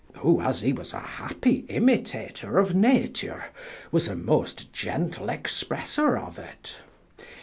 Who, as he was a happie imitator of Nature, was a most gentle expresser of it.